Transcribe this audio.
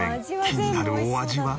気になるお味は？